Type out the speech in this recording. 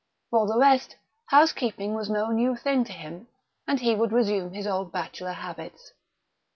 For the rest, housekeeping was no new thing to him, and he would resume his old bachelor habits....